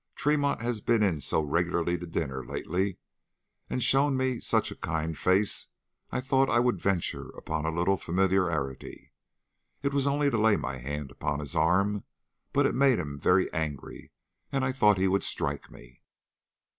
Tremont has been in so regularly to dinner lately, and shown me such a kind face, I thought I would venture upon a little familiarity. It was only to lay my hand upon his arm, but it made him very angry, and I thought he would strike me.